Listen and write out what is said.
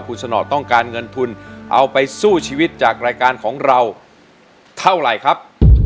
คุณสนอดต้องการเงินทุนเอาไปสู้ชีวิตจากรายการของเราเท่าไหร่ครับ